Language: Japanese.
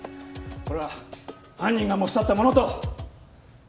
これは犯人が持ち去ったものと思われる。